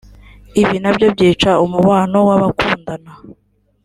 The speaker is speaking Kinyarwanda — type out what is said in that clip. ibi nabyo byica umubano w’abakundana